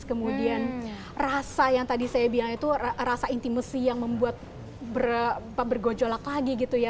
kemudian rasa yang tadi saya bilang itu rasa intimasi yang membuat bergojolak lagi gitu ya